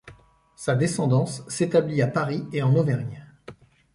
Sa descendance s'établit à Paris et en Auvergne.